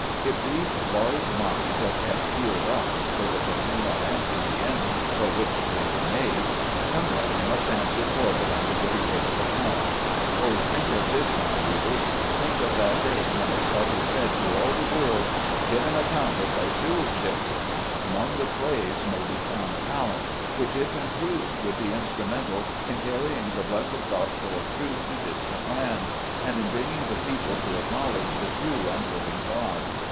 If these large minds are kept sealed up, so that they cannot answer the end for which they were made, somebody must answer for it on the great day of account. Oh, think of this, my readers ! Think of that day when it shall be said to all the world, " Give an account of thy steward SLAVES ON TEE AUCTION BLOCK. 189 ship !" Among the slaves may be found talents, which, if improved, would be instrumental in carry ing the blessed Gospel of Truth to distant lands, and in bringing the people to acknowledge the true and living God.